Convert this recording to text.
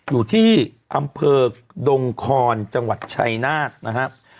อยู่ที่อำเภอดงคอนจังหวัดชัยนาธนะครับ